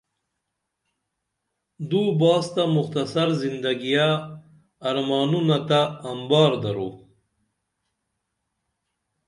دو باس تہ مختصر زندگیہ ارمانونہ تہ امبار درو